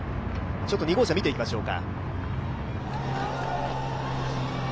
２号車を見ていきましょうか。